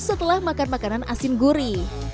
setelah makan makanan asin gurih